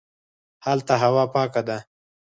هلته هوا پاکه ده